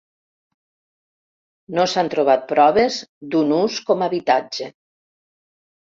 No s'han trobat proves d'un ús com habitatge.